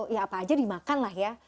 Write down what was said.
ya apa aja dimakan lah ya